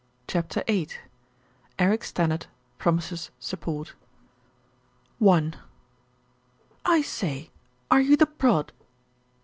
CHAPTER VIII ERIC STANNARD PROMISES SUPPORT "T SAY, are you the prod?"